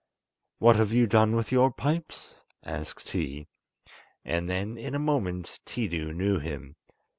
"What have you done with your pipes?" asked he; and then in a moment Tiidu knew him.